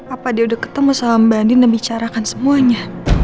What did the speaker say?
apa dia udah ketemu sama mbak andi dan bicarakan semuanya